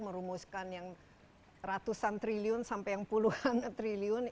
merumuskan yang ratusan triliun sampai yang puluhan triliun